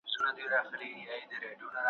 ته به زیارت یې د شهیدانو ,